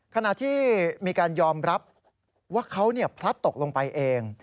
ขณะที่มีการยอมรับว่าเขาพลัดตกลงไปเอง